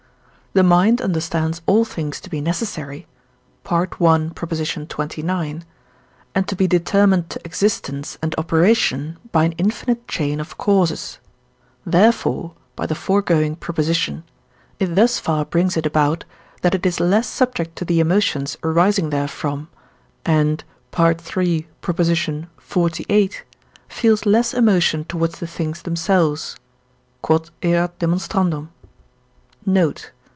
The mind understands all things to be necessary (I. xxix.) and to be determined to existence and operation by an infinite chain of causes; therefore (by the foregoing Proposition), it thus far brings it about, that it is less subject to the emotions arising therefrom, and (III. xlviii.) feels less emotion towards the things themselves. Q.E.D. Note.